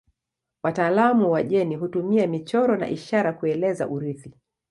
Wataalamu wa jeni hutumia michoro na ishara kueleza urithi.